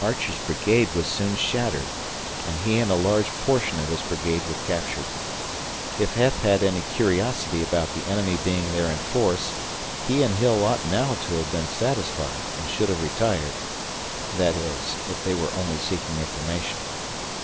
Archer's brigade was soon shattered, and he and a large portion of his brigade were captured. If Heth had any curiosity about the enemy being there in force, he and Hill ought now to have been satisfied and should have retired that is, if they were only seeking information.